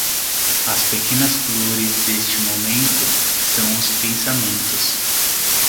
As pequenas flores deste momento são os pensamentos.